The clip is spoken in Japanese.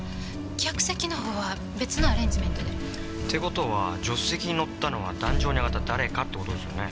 客席の方は別のアレンジメントで。って事は助手席に乗ったのは壇上に上がった誰かって事ですよね。